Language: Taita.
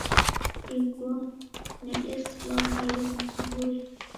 Ighuo nedesilwa ngalemwa kuw'uya.